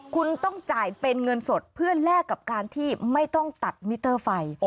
คุณต้องจ่ายเป็นเงินสดเพื่อแลกกับการที่ไม่ต้องตัดมิเตอร์ไฟ